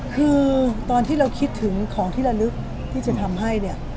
คือตอนที่เราคิดถึงของที่ระลึกที่จะทำให้เนี่ย